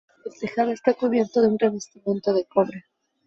El tejado está cubierto de un revestimiento de cobre.